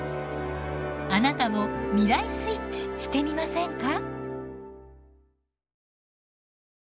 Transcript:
あなたも未来スイッチしてみませんか？